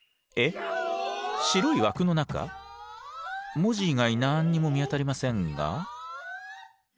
文字以外何にも見当たりませんが。